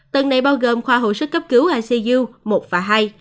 tầng này bao gồm khoa hồi sức cấp cứu acu một và hai